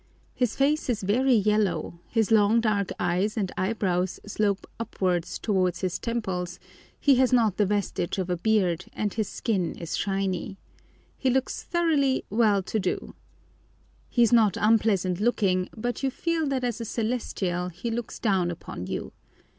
His face is very yellow, his long dark eyes and eyebrows slope upwards towards his temples, he has not the vestige of a beard, and his skin is shiny. He looks thoroughly "well to do." He is not unpleasing looking, but you feel that as a Celestial he looks down upon you.